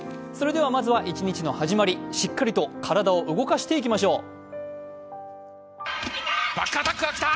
まずは一日の始まり、しっかりと体を動かしていきましょう。